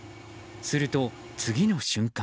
すると次の瞬間。